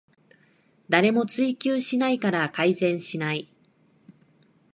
誰も追及しないから改善しない